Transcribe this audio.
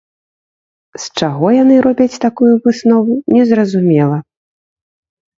З чаго яны робяць такую выснову, незразумела.